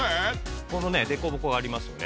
このねデコボコがありますよね。